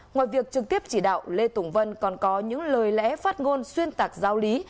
ngoài việc trực tiếp chỉ đạo lê tùng vân còn có những lời lẽ phát ngôn xuyên tạc giáo lý